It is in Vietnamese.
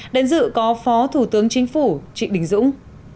đến dự có phó thủ tướng chính phủ trị đình dũng